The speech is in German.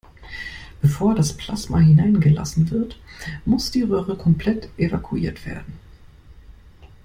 Bevor das Plasma hineingelassen wird, muss die Röhre komplett evakuiert werden.